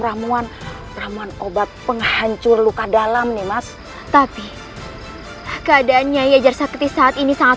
ramuan ramuan obat penghancur luka dalam nih mas tapi keadaannya yaya jar sakti saat ini sangat